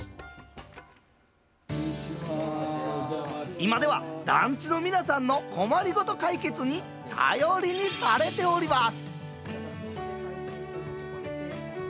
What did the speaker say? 今では団地の皆さんの困りごと解決に頼りにされております。